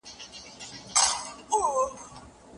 دوی به یو بل غولوي.